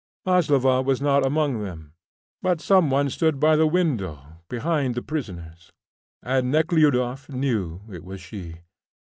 Maslova was not among them. But some one stood by the window behind the prisoners, and Nekhludoff knew it was she.